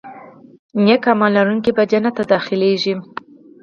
نیک عمل لرونکي به جنت ته داخلېږي.